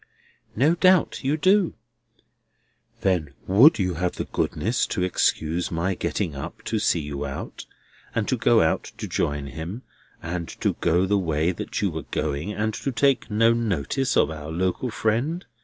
"No doubt you do." "Then would you have the goodness to excuse my getting up to see you out, and to go out to join him, and to go the way that you were going, and to take no notice of our local friend?"